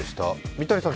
三谷さん